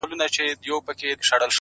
په ځان وهلو باندې خپل غزل ته رنگ ورکوي;